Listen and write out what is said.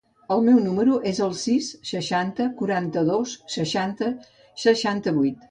El meu número es el sis, seixanta, quaranta-dos, seixanta, seixanta-vuit.